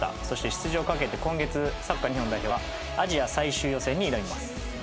そして出場をかけて今月サッカー日本代表がアジア最終予選に挑みます。